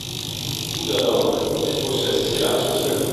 Hoe dan ook, dit proces is helaas mislukt.